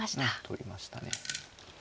取りましたね。